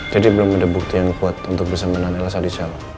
jadi belum ada bukti yang kuat untuk bersambanan elas alisawa